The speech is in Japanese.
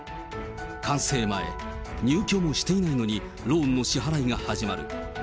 完成前、入居もしていないのにローンの支払いが始まる。